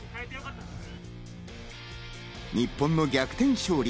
日本の逆転勝利。